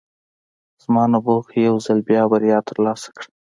زما نبوغ یو ځل بیا بریا ترلاسه کړه